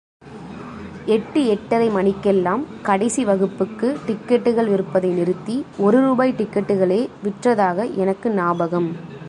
எட்டு எட்டரை மணிக்கெல்லாம் கடைசி வகுப்புக்கு டிக்கட்டுகள் விற்பதை நிறுத்தி ஒரு ரூபாய் டிக்கட்டுகளே விற்றதாக எனக்கு ஞாபகம்.